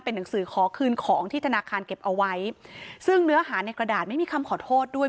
หนังสือขอคืนของที่ธนาคารเก็บเอาไว้ซึ่งเนื้อหาในกระดาษไม่มีคำขอโทษด้วย